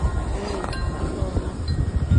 এই, শোনো।